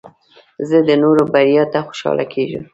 زه د نورو بریا ته خوشحاله کېږم.